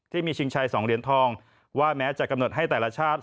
ชิงชัย๒เหรียญทองว่าแม้จะกำหนดให้แต่ละชาติ